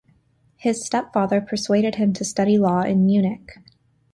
His stepfather persuaded him to study law in Munich.